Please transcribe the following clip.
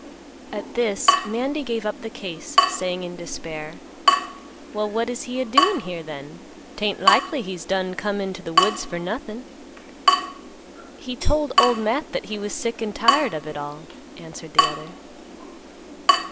At this Mandy gave up the case, saying in despair, "Well, what is he a doin' here then? 'Tain't likely he's done come into th' woods fer nothin'." "He told Old Matt that he was sick and tired of it all," answered the other.